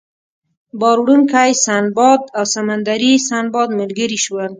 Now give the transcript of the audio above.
بار وړونکی سنباد او سمندري سنباد ملګري شول.